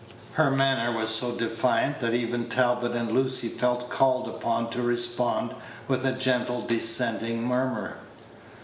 Her manner was so defiant that even Talbot and Lucy felt called upon to respond with a gentle dissenting murmur.